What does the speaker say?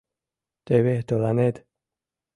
— Теве тыланет!